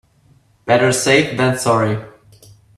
Better safe than sorry.